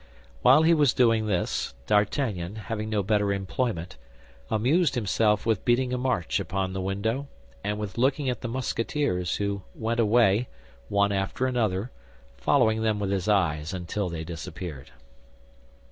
While he was doing this, D'Artagnan, having no better employment, amused himself with beating a march upon the window and with looking at the Musketeers, who went away, one after another, following them with his eyes until they disappeared.